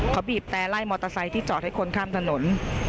เขาบีบแต่ไล่มอเตอร์ไซค์ที่จอดให้คนข้ามถนน